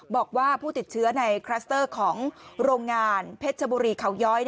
บอกว่าผู้ติดเชื้อในคลัสเตอร์ของโรงงานเพชรชบุรีเขาย้อย